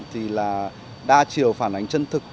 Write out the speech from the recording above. thì là đa chiều phản ánh chân thực